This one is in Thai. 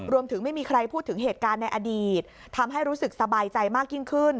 รวมถึงไม่มีใครพูดถึงเหตุการณ์ในอดีตทำให้รู้สึกสบายใจมากยิ่งขึ้น